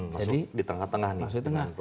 masuk di tengah tengah